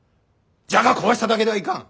じゃが壊しただけではいかん。